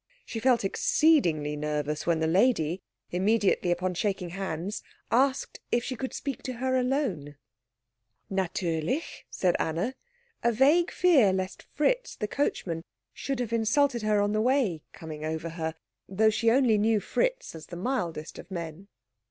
She felt exceedingly nervous when the lady, immediately upon shaking hands, asked if she could speak to her alone. "Natürlich," said Anna, a vague fear lest Fritz, the coachman, should have insulted her on the way coming over her, though she only knew Fritz as the mildest of men.